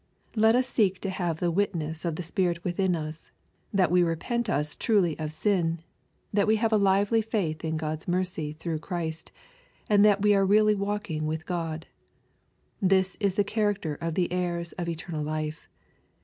Let us seek to have the witness of the Spirit within us, that we repent us truly of sin, that we have a lively faith in God's mercy through Christ, and that we are really walking with God. This is the char acter of the heirs of eternal life.